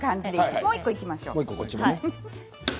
もう１個いきましょう。